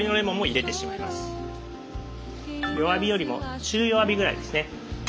弱火よりも中弱火ぐらいですね。